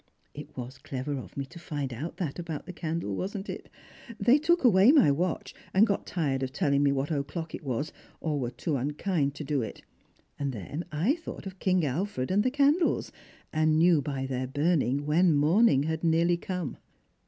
It was clever of me to find out that about the candle, wasn't it ? They took away my watch, and got tired of telling me what o'clock it was, or were too unkind to do it ; and then I thought of King Alfred and the candles, and knew by their burning when morning had nearly come."